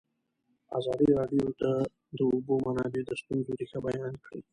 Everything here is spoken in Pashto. ازادي راډیو د د اوبو منابع د ستونزو رېښه بیان کړې.